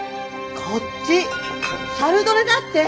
こっちシャルドネだって！